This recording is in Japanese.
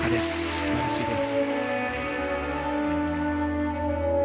素晴らしいです。